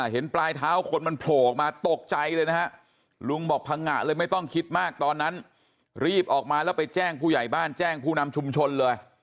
เห็นปลายเท้าคนมันโผล่ออกมาตกใจเลยนะฮะลุงบอกพังงะเลยไม่ต้องคิดมากตอนนั้นรีบออกมาแล้วไปแจ้งผู้ใหญ่บ้านแจ้งผู้นำชุมชนเลย